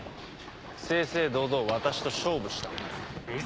正々堂々私と勝負したまえ。